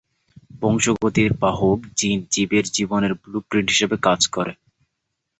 বংশগতির বাহক জীন জীবের জীবনের ব্লু প্রিন্ট হিসেবে কাজ করে।